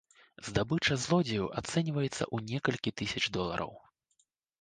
Здабыча злодзеяў ацэньваецца ў некалькі тысяч долараў.